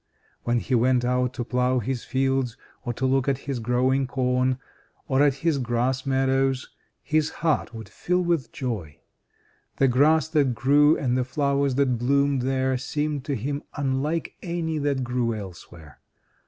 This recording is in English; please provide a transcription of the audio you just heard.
When he went out to plough his fields, or to look at his growing corn, or at his grass meadows, his heart would fill with joy. The grass that grew and the flowers that bloomed there, seemed to him unlike any that grew elsewhere.